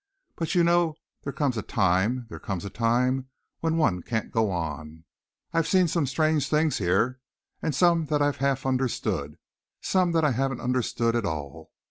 But, you know, there comes a time there comes a time when one can't go on. I've seen some strange things here, some that I've half understood, some that I haven't understood at all.